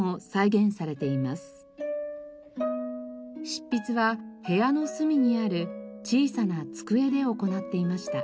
執筆は部屋の隅にある小さな机で行っていました。